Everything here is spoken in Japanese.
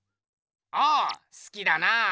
ああすきだなぁ。